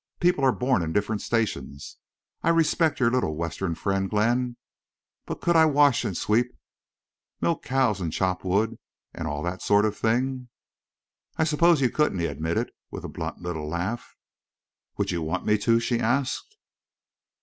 "People are born in different stations. I respect your little Western friend, Glenn, but could I wash and sweep, milk cows and chop wood, and all that sort of thing?" "I suppose you couldn't," he admitted, with a blunt little laugh. "Would you want me to?" she asked.